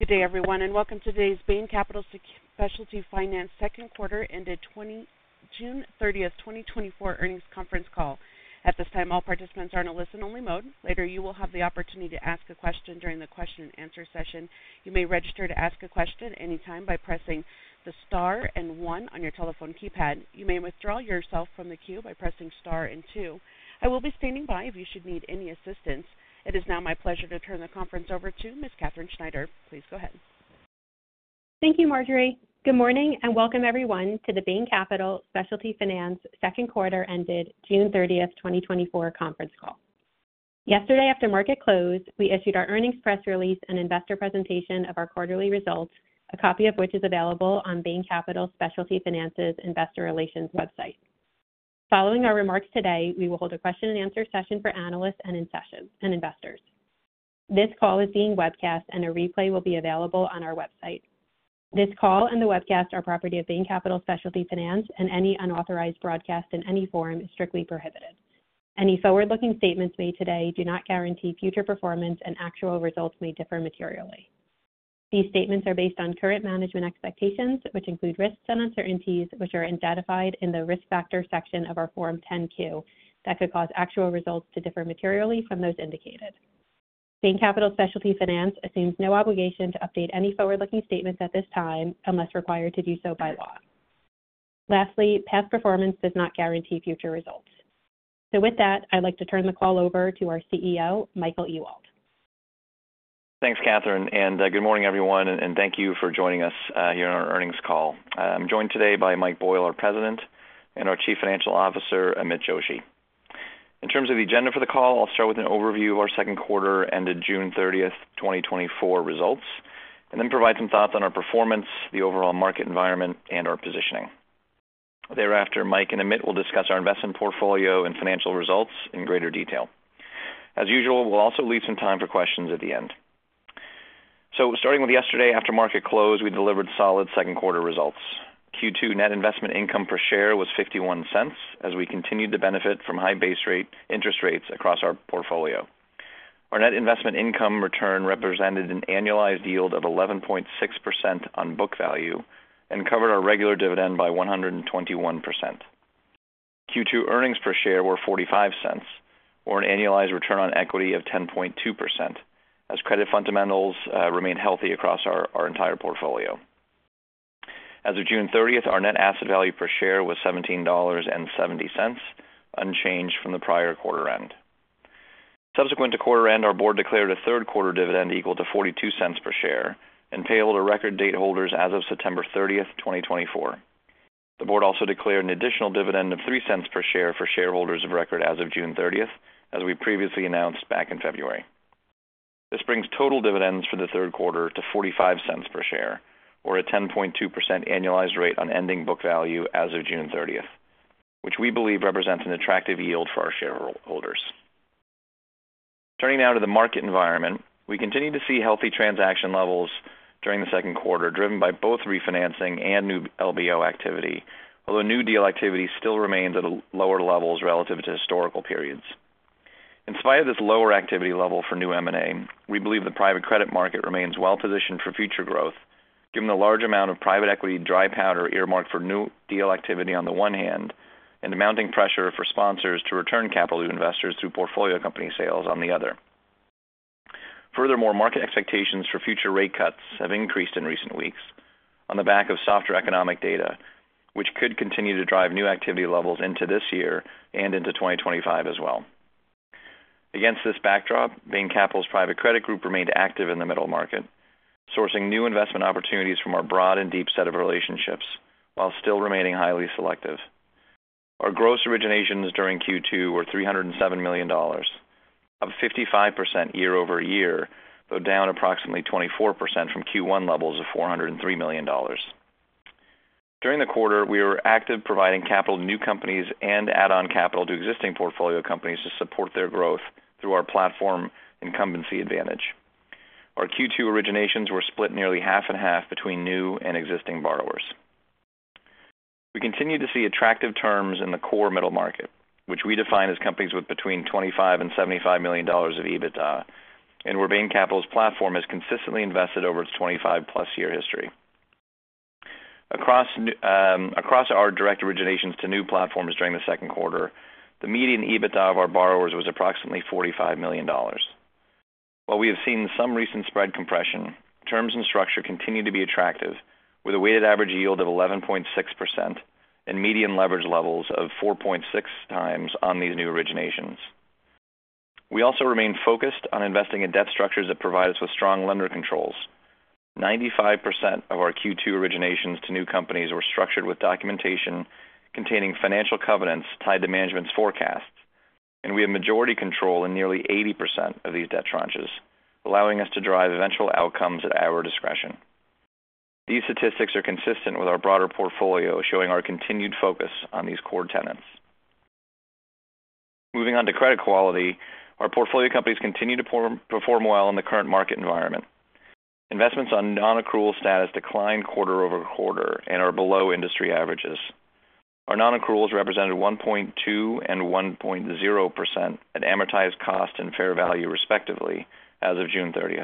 Good day, everyone, and welcome to today's Bain Capital Specialty Finance second quarter ended June 30, 2024 earnings conference call. At this time, all participants are in a listen-only mode. Later, you will have the opportunity to ask a question during the question-and-answer session. You may register to ask a question at any time by pressing the star and one on your telephone keypad. You may withdraw yourself from the queue by pressing star and two. I will be standing by if you should need any assistance. It is now my pleasure to turn the conference over to Ms. Katherine Schneider. Please go ahead. Thank you, Marjorie. Good morning and welcome, everyone, to the Bain Capital Specialty Finance second quarter ended June 30, 2024 conference call. Yesterday, after market close, we issued our earnings press release and investor presentation of our quarterly results, a copy of which is available on Bain Capital Specialty Finance's investor relations website. Following our remarks today, we will hold a question-and-answer session for analysts and investors. This call is being webcast, and a replay will be available on our website. This call and the webcast are property of Bain Capital Specialty Finance, and any unauthorized broadcast in any forum is strictly prohibited. Any forward-looking statements made today do not guarantee future performance, and actual results may differ materially. These statements are based on current management expectations, which include risks and uncertainties, which are identified in the risk factor section of our Form 10-Q that could cause actual results to differ materially from those indicated. Bain Capital Specialty Finance assumes no obligation to update any forward-looking statements at this time unless required to do so by law. Lastly, past performance does not guarantee future results. With that, I'd like to turn the call over to our CEO, Michael Ewald. Thanks, Katherine. Good morning, everyone, and thank you for joining us here on our earnings call. I'm joined today by Mike Boyle, our president, and our chief financial officer, Amit Joshi. In terms of the agenda for the call, I'll start with an overview of our second quarter ended June 30, 2024 results, and then provide some thoughts on our performance, the overall market environment, and our positioning. Thereafter, Mike and Amit will discuss our investment portfolio and financial results in greater detail. As usual, we'll also leave some time for questions at the end. Starting with yesterday, after market close, we delivered solid second quarter results. Q2 net investment income per share was $0.51 as we continued to benefit from high base rate interest rates across our portfolio. Our net investment income return represented an annualized yield of 11.6% on book value and covered our regular dividend by 121%. Q2 earnings per share were $0.45, or an annualized return on equity of 10.2%, as credit fundamentals remained healthy across our entire portfolio. As of June 30, our net asset value per share was $17.70, unchanged from the prior quarter end. Subsequent to quarter end, our board declared a third quarter dividend equal to $0.42 per share and payable to record date holders as of September 30, 2024. The board also declared an additional dividend of $0.03 per share for shareholders of record as of June 30, as we previously announced back in February. This brings total dividends for the third quarter to $0.45 per share, or a 10.2% annualized rate on ending book value as of June 30, which we believe represents an attractive yield for our shareholders. Turning now to the market environment, we continue to see healthy transaction levels during the second quarter, driven by both refinancing and new LBO activity, although new deal activity still remains at lower levels relative to historical periods. In spite of this lower activity level for new M&A, we believe the private credit market remains well-positioned for future growth, given the large amount of private equity dry powder earmarked for new deal activity on the one hand and the mounting pressure for sponsors to return capital to investors through portfolio company sales on the other. Furthermore, market expectations for future rate cuts have increased in recent weeks on the back of softer economic data, which could continue to drive new activity levels into this year and into 2025 as well. Against this backdrop, Bain Capital's private credit group remained active in the middle market, sourcing new investment opportunities from our broad and deep set of relationships while still remaining highly selective. Our gross originations during Q2 were $307 million, up 55% year over year, though down approximately 24% from Q1 levels of $403 million. During the quarter, we were active providing capital to new companies and add-on capital to existing portfolio companies to support their growth through our platform incumbency advantage. Our Q2 originations were split nearly half and half between new and existing borrowers. We continue to see attractive terms in the core middle market, which we define as companies with between $25-$75 million of EBITDA, and where Bain Capital's platform has consistently invested over its 25+ year history. Across our direct originations to new platforms during the second quarter, the median EBITDA of our borrowers was approximately $45 million. While we have seen some recent spread compression, terms and structure continue to be attractive, with a weighted average yield of 11.6% and median leverage levels of 4.6x on these new originations. We also remain focused on investing in debt structures that provide us with strong lender controls. 95% of our Q2 originations to new companies were structured with documentation containing financial covenants tied to management's forecasts, and we have majority control in nearly 80% of these debt tranches, allowing us to drive eventual outcomes at our discretion. These statistics are consistent with our broader portfolio, showing our continued focus on these core tenets. Moving on to credit quality, our portfolio companies continue to perform well in the current market environment. Investments on non-accrual status declined quarter-over-quarter and are below industry averages. Our non-accruals represented 1.2 and 1.0% at amortized cost and fair value, respectively, as of June 30.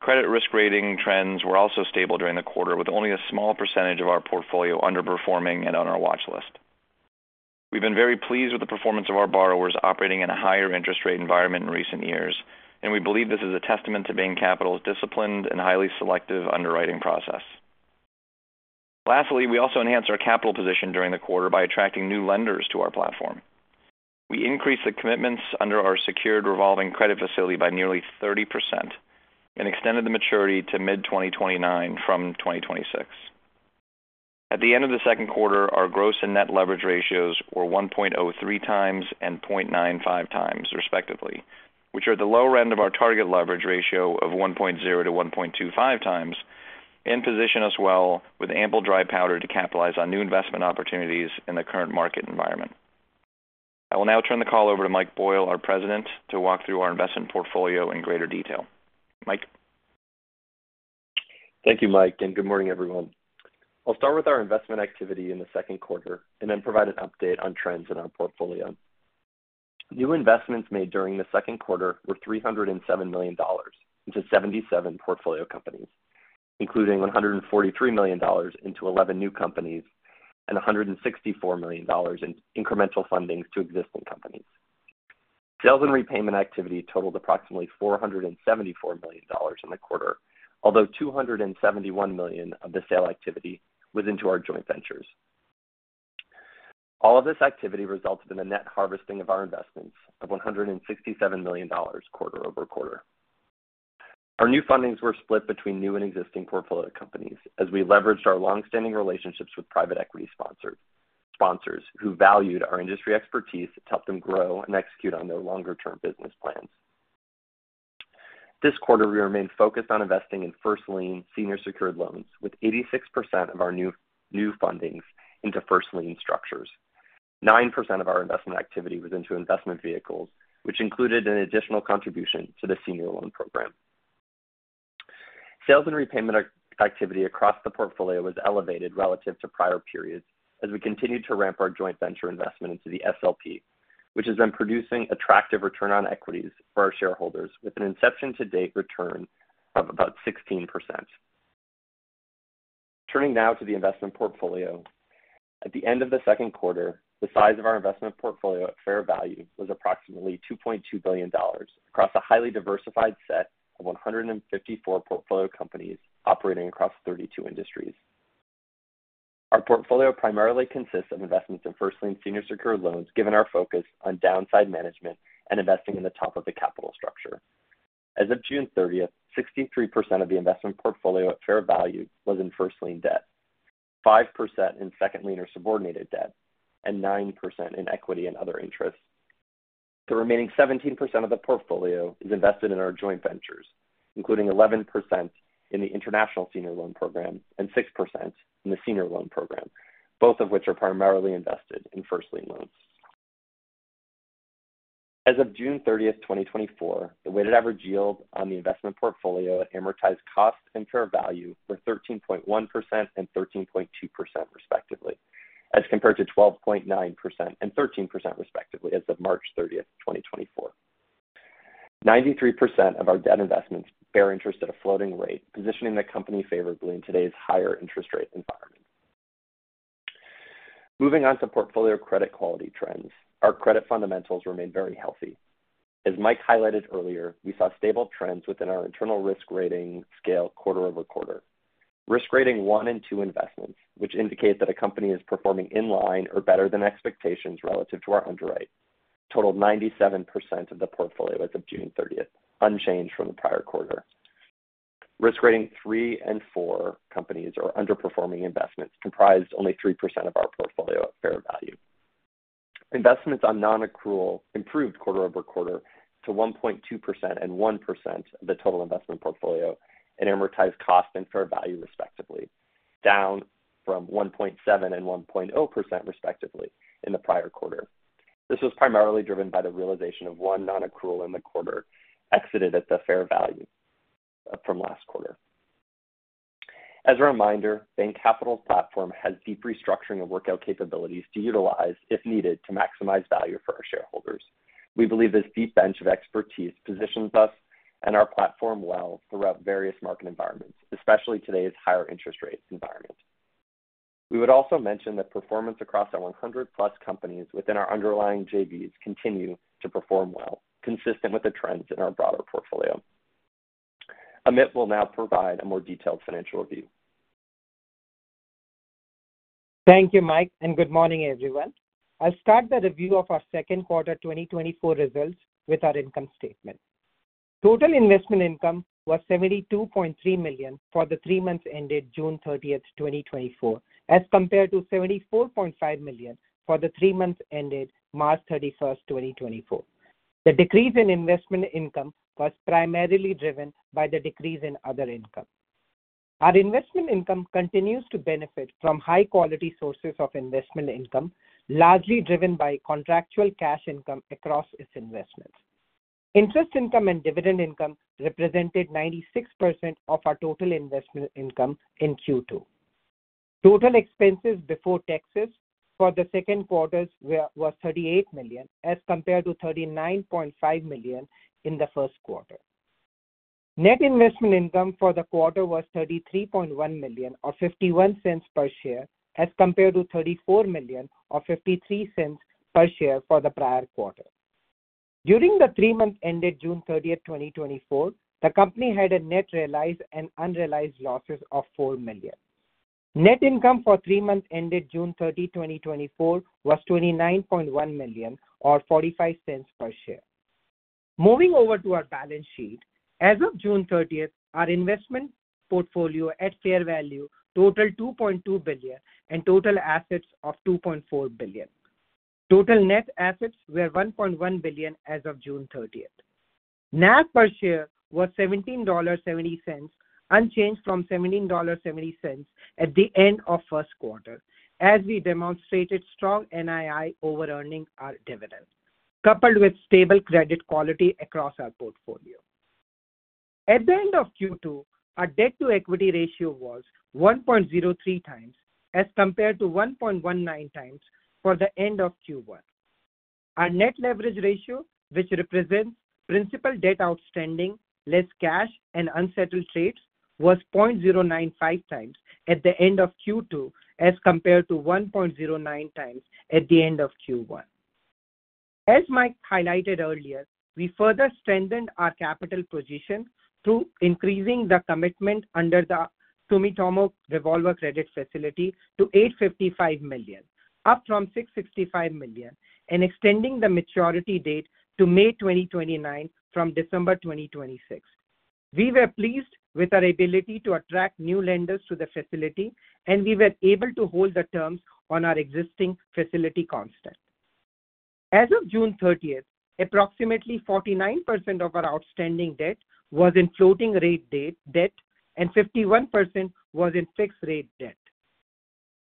Credit risk rating trends were also stable during the quarter, with only a small percentage of our portfolio underperforming and on our watch list. We've been very pleased with the performance of our borrowers operating in a higher interest rate environment in recent years, and we believe this is a testament to Bain Capital's disciplined and highly selective underwriting process. Lastly, we also enhanced our capital position during the quarter by attracting new lenders to our platform. We increased the commitments under our secured revolving credit facility by nearly 30% and extended the maturity to mid-2029 from 2026. At the end of the second quarter, our gross and net leverage ratios were 1.03 times and 0.95 times, respectively, which are at the low end of our target leverage ratio of 1.0 to 1.25 times and position us well with ample dry powder to capitalize on new investment opportunities in the current market environment. I will now turn the call over to Mike Boyle, our President, to walk through our investment portfolio in greater detail. Mike. Thank you, Mike, and good morning, everyone. I'll start with our investment activity in the second quarter and then provide an update on trends in our portfolio. New investments made during the second quarter were $307 million into 77 portfolio companies, including $143 million into 11 new companies and $164 million in incremental funding to existing companies. Sales and repayment activity totaled approximately $474 million in the quarter, although $271 million of the sale activity was into our joint ventures. All of this activity resulted in a net harvesting of our investments of $167 million quarter-over-quarter. Our new fundings were split between new and existing portfolio companies as we leveraged our longstanding relationships with private equity sponsors who valued our industry expertise to help them grow and execute on their longer-term business plans. This quarter, we remained focused on investing in first lien senior secured loans, with 86% of our new fundings into first lien structures. 9% of our investment activity was into investment vehicles, which included an additional contribution to the Senior Loan Program. Sales and repayment activity across the portfolio was elevated relative to prior periods as we continued to ramp our joint venture investment into the SLP, which has been producing attractive return on equities for our shareholders with an inception-to-date return of about 16%. Turning now to the investment portfolio, at the end of the second quarter, the size of our investment portfolio at fair value was approximately $2.2 billion across a highly diversified set of 154 portfolio companies operating across 32 industries. Our portfolio primarily consists of investments in first lien senior secured loans, given our focus on downside management and investing in the top of the capital structure. As of June 30, 63% of the investment portfolio at fair value was in first lien debt, 5% in second lien or subordinated debt, and 9% in equity and other interests. The remaining 17% of the portfolio is invested in our joint ventures, including 11% in the International Senior Loan Program and 6% in the senior loan program, both of which are primarily invested in first lien loans. As of June 30, 2024, the weighted average yield on the investment portfolio at amortized cost and fair value were 13.1% and 13.2%, respectively, as compared to 12.9% and 13%, respectively, as of March 30, 2024. 93% of our debt investments bear interest at a floating rate, positioning the company favorably in today's higher interest rate environment. Moving on to portfolio credit quality trends, our credit fundamentals remained very healthy. As Mike highlighted earlier, we saw stable trends within our internal risk rating scale quarter-over-quarter. Risk rating one and two investments, which indicate that a company is performing in line or better than expectations relative to our underwrite, totaled 97% of the portfolio as of June 30, unchanged from the prior quarter. Risk rating three and four companies or underperforming investments comprised only 3% of our portfolio at fair value. Investments on non-accrual improved quarter-over-quarter to 1.2% and 1% of the total investment portfolio at amortized cost and fair value, respectively, down from 1.7 and 1.0%, respectively, in the prior quarter. This was primarily driven by the realization of one non-accrual in the quarter exited at the fair value from last quarter. As a reminder, Bain Capital's platform has deep restructuring and workout capabilities to utilize, if needed, to maximize value for our shareholders. We believe this deep bench of expertise positions us and our platform well throughout various market environments, especially today's higher interest rate environment. We would also mention that performance across our 100+ companies within our underlying JVs continues to perform well, consistent with the trends in our broader portfolio. Amit will now provide a more detailed financial view. Thank you, Mike, and good morning, everyone. I'll start the review of our second quarter 2024 results with our income statement. Total investment income was $72.3 million for the three months ended June 30, 2024, as compared to $74.5 million for the three months ended March 31, 2024. The decrease in investment income was primarily driven by the decrease in other income. Our investment income continues to benefit from high-quality sources of investment income, largely driven by contractual cash income across its investments. Interest income and dividend income represented 96% of our total investment income in Q2. Total expenses before taxes for the second quarter were $38 million, as compared to $39.5 million in the first quarter. Net investment income for the quarter was $33.1 million, or $0.51 per share, as compared to $34 million, or $0.53 per share for the prior quarter. During the three months ended June 30, 2024, the company had net realized and unrealized losses of $4 million. Net income for three months ended June 30, 2024, was $29.1 million, or $0.45 per share. Moving over to our balance sheet, as of June 30, our investment portfolio at fair value totaled $2.2 billion and total assets of $2.4 billion. Total net assets were $1.1 billion as of June 30. NAV per share was $17.70, unchanged from $17.70 at the end of first quarter, as we demonstrated strong NII over-earning our dividend, coupled with stable credit quality across our portfolio. At the end of Q2, our debt-to-equity ratio was 1.03 times, as compared to 1.19 times for the end of Q1. Our net leverage ratio, which represents principal debt outstanding less cash and unsettled trades, was 0.095 times at the end of Q2, as compared to 1.09 times at the end of Q1. As Mike highlighted earlier, we further strengthened our capital position through increasing the commitment under the Sumitomo Revolver Credit Facility to $855 million, up from $665 million, and extending the maturity date to May 2029 from December 2026. We were pleased with our ability to attract new lenders to the facility, and we were able to hold the terms on our existing facility constant. As of June 30, approximately 49% of our outstanding debt was in floating-rate debt, and 51% was in fixed-rate debt.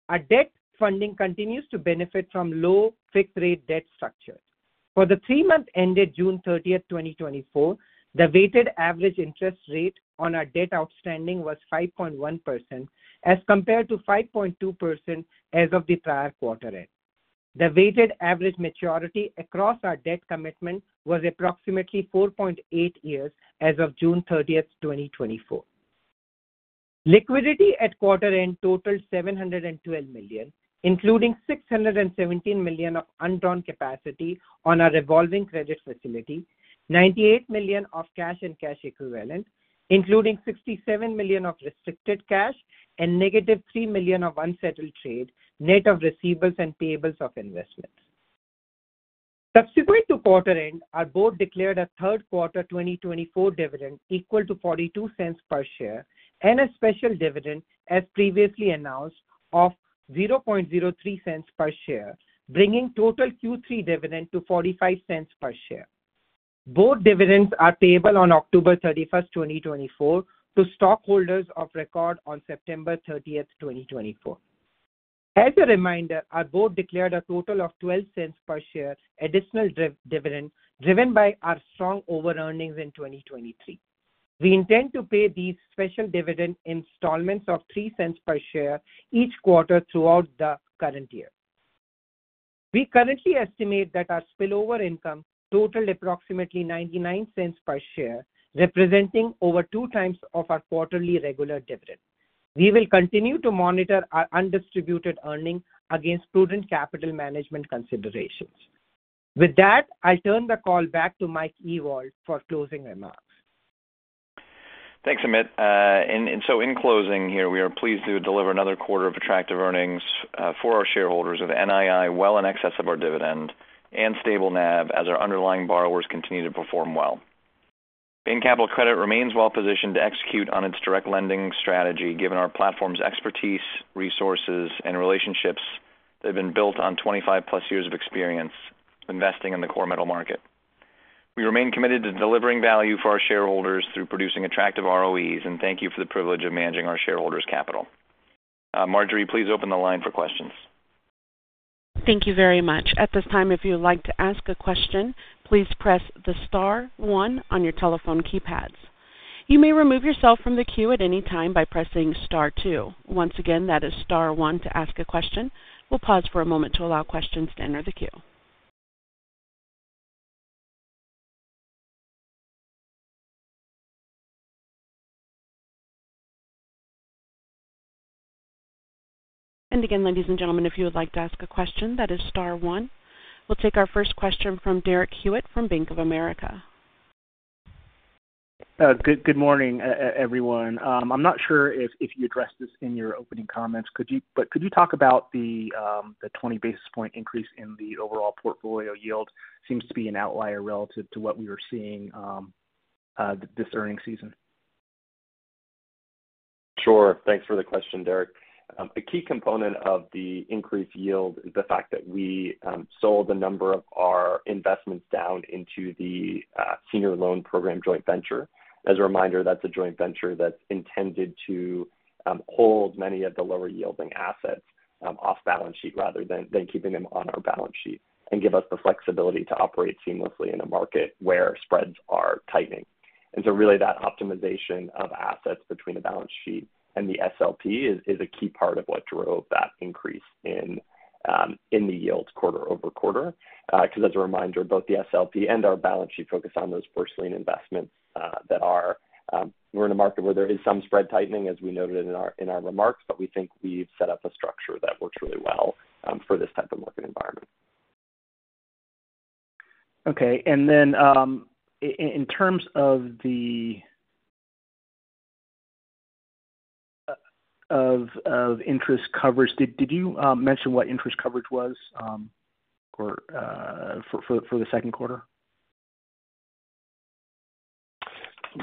Our debt funding continues to benefit from low fixed-rate debt structures. For the three months ended June 30, 2024, the weighted average interest rate on our debt outstanding was 5.1%, as compared to 5.2% as of the prior quarter-end. The weighted average maturity across our debt commitment was approximately 4.8 years as of June 30, 2024. Liquidity at quarter-end totaled $712 million, including $617 million of undrawn capacity on our revolving credit facility, $98 million of cash and cash equivalents, including $67 million of restricted cash, and -$3 million of unsettled trade, net of receivables and payables of investments. Subsequent to quarter-end, our board declared a third quarter 2024 dividend equal to $0.42 per share and a special dividend, as previously announced, of $0.03 per share, bringing total Q3 dividend to $0.45 per share. Both dividends are payable on October 31, 2024, to stockholders of record on September 30, 2024. As a reminder, our board declared a total of $0.12 per share additional dividend, driven by our strong over-earnings in 2023. We intend to pay these special dividend installments of $0.03 per share each quarter throughout the current year. We currently estimate that our spillover income totaled approximately $0.99 per share, representing over 2x our quarterly regular dividend. We will continue to monitor our undistributed earnings against prudent capital management considerations. With that, I'll turn the call back to Mike Ewald for closing remarks. Thanks, Amit. So in closing here, we are pleased to deliver another quarter of attractive earnings for our shareholders of NII well in excess of our dividend and stable NAV as our underlying borrowers continue to perform well. Bain Capital Credit remains well positioned to execute on its direct lending strategy, given our platform's expertise, resources, and relationships that have been built on 25+ years of experience investing in the middle market. We remain committed to delivering value for our shareholders through producing attractive ROEs, and thank you for the privilege of managing our shareholders' capital. Marjorie, please open the line for questions. Thank you very much. At this time, if you would like to ask a question, please press the star one on your telephone keypads. You may remove yourself from the queue at any time by pressing star two. Once again, that is star one to ask a question. We'll pause for a moment to allow questions to enter the queue. And again, ladies and gentlemen, if you would like to ask a question, that is star one. We'll take our first question from Derek Hewett from Bank of America. Good morning, everyone. I'm not sure if you addressed this in your opening comments, but could you talk about the 20 basis point increase in the overall portfolio yield? It seems to be an outlier relative to what we were seeing this earnings season. Sure. Thanks for the question, Derek. A key component of the increased yield is the fact that we sold a number of our investments down into the senior loan program joint venture. As a reminder, that's a joint venture that's intended to hold many of the lower-yielding assets off balance sheet rather than keeping them on our balance sheet and give us the flexibility to operate seamlessly in a market where spreads are tightening. And so really, that optimization of assets between the balance sheet and the SLP is a key part of what drove that increase in the yields quarter-over-quarter. Because as a reminder, both the SLP and our balance sheet focus on those first lien investments that are. We're in a market where there is some spread tightening, as we noted in our remarks, but we think we've set up a structure that works really well for this type of market environment. Okay. And then in terms of the interest coverage, did you mention what interest coverage was for the second quarter?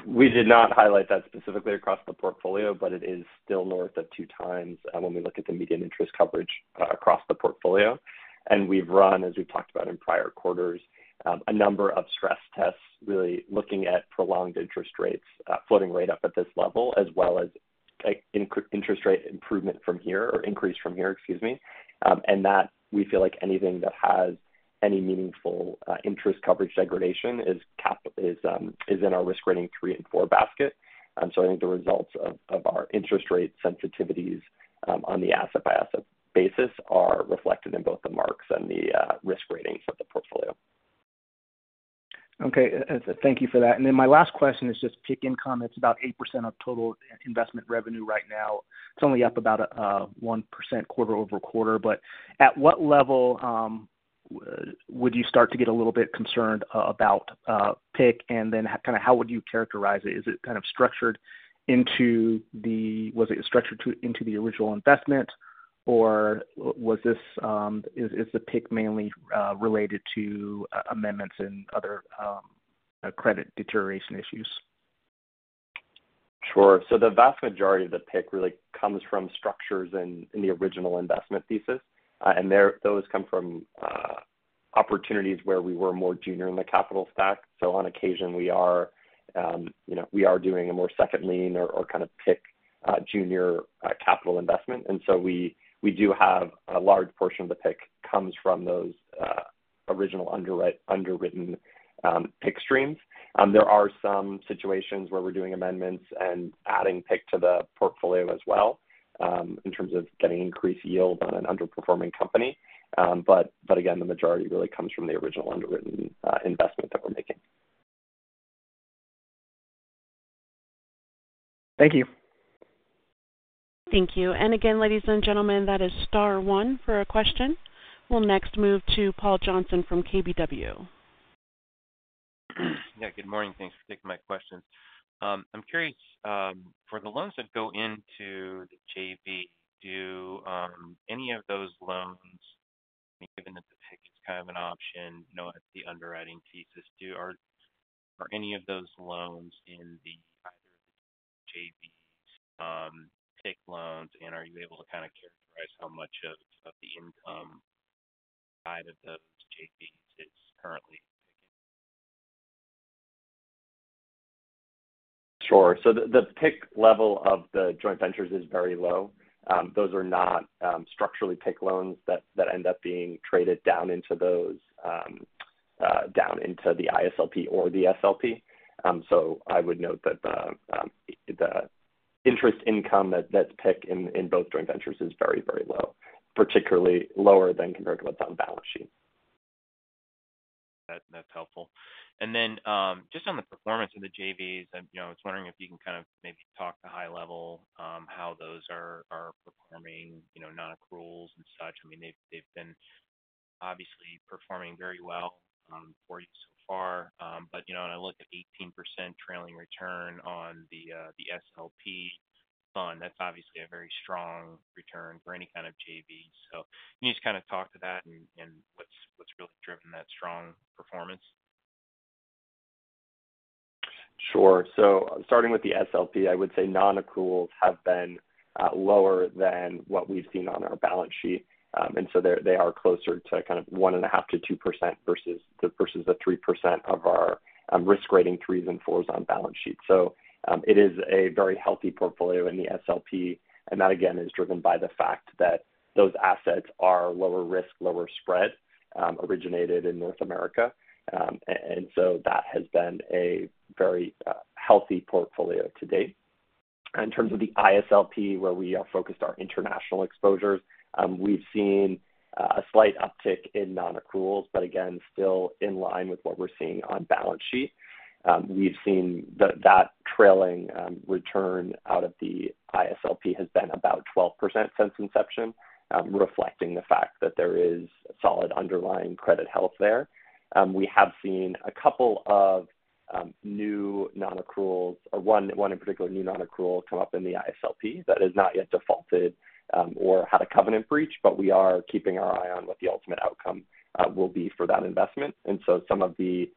We did not highlight that specifically across the portfolio, but it is still north of 2x when we look at the median interest coverage across the portfolio. We've run, as we've talked about in prior quarters, a number of stress tests, really looking at prolonged interest rates floating right up at this level, as well as interest rate improvement from here or increase from here, excuse me. And that we feel like anything that has any meaningful interest coverage degradation is in our risk rating 3 and 4 basket. So I think the results of our interest rate sensitivities on the asset-by-asset basis are reflected in both the marks and the risk ratings of the portfolio. Okay. Thank you for that. And then my last question is just PIKking comments about 8% of total investment revenue right now. It's only up about 1% quarter-over-quarter. But at what level would you start to get a little bit concerned about PIK? And then kind of how would you characterize it? Is it kind of structured into the—was it structured into the original investment? Or is the PIK mainly related to amendments and other credit deterioration issues? Sure. So the vast majority of the PIK really comes from structures in the original investment thesis. And those come from opportunities where we were more junior in the capital stack. So on occasion, we are doing a more second lien or kind of PIK junior capital investment. And so we do have a large portion of the PIK that comes from those original underwritten PIK streams. There are some situations where we're doing amendments and adding PIK to the portfolio as well in terms of getting increased yield on an underperforming company. But again, the majority really comes from the original underwritten investment that we're making. Thank you. Thank you. And again, ladies and gentlemen, that is star one for a question. We'll next move to Paul Johnson from KBW. Yeah. Good morning. Thanks for taking my questions. I'm curious, for the loans that go into the JV, do any of those loans, and given that the PIK is kind of an option at the underwriting thesis, are any of those loans in either of the JVs PIK loans? And are you able to kind of characterize how much of the income side of those JVs is currently taken? Sure. So the PIK level of the joint ventures is very low. Those are not structurally PIK loans that end up being traded down into the ISLP or the SLP. So I would note that the interest income that's PIK in both joint ventures is very, very low, particularly lower than compared to what's on balance sheet. That's helpful. And then just on the performance of the JVs, I was wondering if you can kind of maybe talk at a high level how those are performing, non-accruals and such. I mean, they've been obviously performing very well for you so far. But when I look at 18% trailing return on the SLP fund, that's obviously a very strong return for any kind of JV. So can you just kind of talk to that and what's really driven that strong performance? Sure. So starting with the SLP, I would say non-accruals have been lower than what we've seen on our balance sheet. And so they are closer to kind of 1.5%-2% versus the 3% of our risk rating threes and fours on balance sheet. So it is a very healthy portfolio in the SLP. And that, again, is driven by the fact that those assets are lower risk, lower spread, originated in North America. And so that has been a very healthy portfolio to date. In terms of the ISLP, where we are focused on international exposures, we've seen a slight uptick in non-accruals, but again, still in line with what we're seeing on balance sheet. We've seen that trailing return out of the ISLP has been about 12% since inception, reflecting the fact that there is solid underlying credit health there. We have seen a couple of new non-accruals (one in particular, new non-accrual) come up in the ISLP that has not yet defaulted or had a covenant breach, but we are keeping our eye on what the ultimate outcome will be for that investment. And so some of the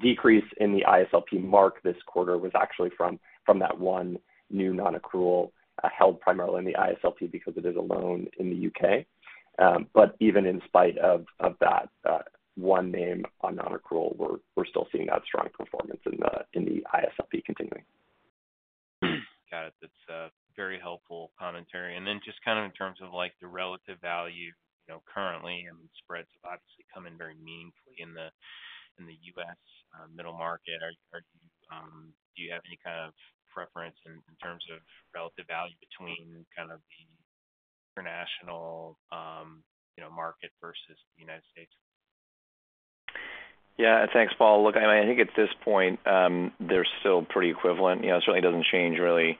decrease in the ISLP mark this quarter was actually from that one new non-accrual held primarily in the ISLP because it is a loan in the UK. But even in spite of that one name on non-accrual, we're still seeing that strong performance in the ISLP continuing. Got it. That's very helpful commentary. And then just kind of in terms of the relative value currently, I mean, spreads have obviously come in very meaningfully in the U.S. middle market. Do you have any kind of preference in terms of relative value between kind of the international market versus the United States? Yeah. Thanks, Paul. Look, I mean, I think at this point, they're still pretty equivalent. It certainly doesn't change really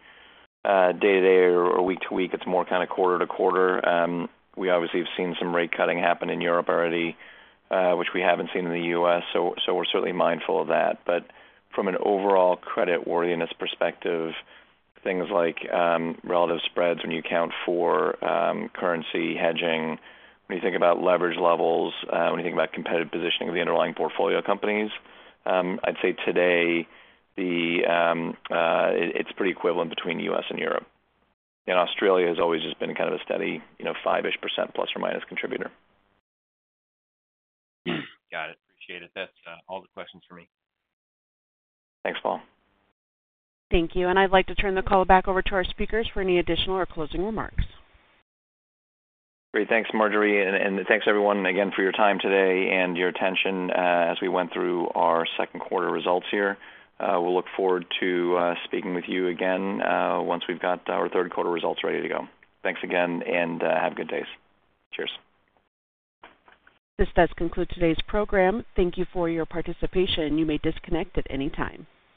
day-to-day or week-to-week. It's more kind of quarter-to-quarter. We obviously have seen some rate cutting happen in Europe already, which we haven't seen in the U.S. So we're certainly mindful of that. But from an overall creditworthiness perspective, things like relative spreads when you account for currency hedging, when you think about leverage levels, when you think about competitive positioning of the underlying portfolio companies, I'd say today it's pretty equivalent between the U.S. and Europe. And Australia has always just been kind of a steady 5%-ish ± contributor. Got it. Appreciate it. That's all the questions for me. Thanks, Paul. Thank you. I'd like to turn the call back over to our speakers for any additional or closing remarks. Great. Thanks, Marjorie. Thanks, everyone, again, for your time today and your attention as we went through our second quarter results here. We'll look forward to speaking with you again once we've got our third quarter results ready to go. Thanks again, and have good days. Cheers. This does conclude today's program. Thank you for your participation. You may disconnect at any time.